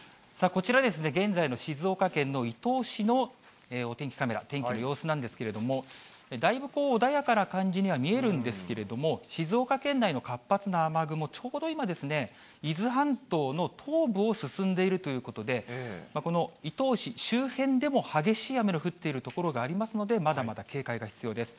こちら、現在の静岡県の伊東市のお天気カメラ、天気の様子なんですけれども、だいぶ穏やかな感じには見えるんですけれども、静岡県内の活発な雨雲、ちょうど今ですね、伊豆半島の東部を進んでいるということで、この伊東市周辺でも激しい雨の降っている所がありますので、まだまだ警戒が必要です。